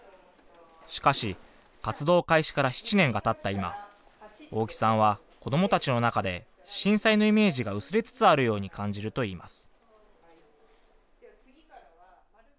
しかし、活動開始から７年がたった今大木さんは、子どもたちの中で震災のイメージが薄れつつあるように感じるといいます。